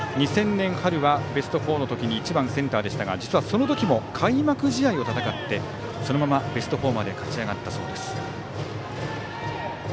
２０００年春はベスト４の時に１番センターでしたがその時も開幕試合を戦ってそのままベスト４まで勝ち上がったそうです。